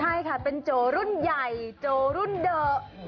ใช่ค่ะเป็นโจรุ่นใหญ่โจรุ่นเดอะ